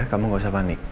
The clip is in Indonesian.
kamu nggak usah panik